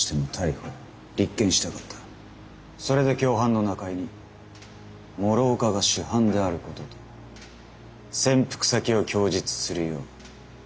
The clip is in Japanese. それで共犯の中江に諸岡が主犯であることと潜伏先を供述するよう持ちかけた。